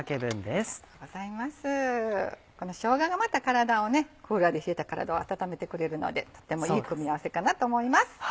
このしょうががまた体をねクーラーで冷えた体を温めてくれるのでとってもいい組み合わせかなと思います。